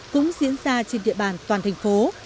cũng diễn ra trên địa bàn toàn thành phố